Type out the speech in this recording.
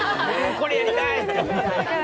これやりたいって。